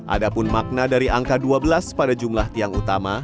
ada pun makna dari angka dua belas pada jumlah tiang utama